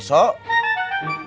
kamu harus lembur